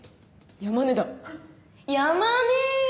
山根。